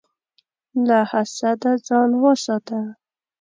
له حسده ځان وساته.